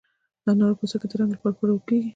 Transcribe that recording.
د انارو پوستکي د رنګ لپاره پلورل کیږي؟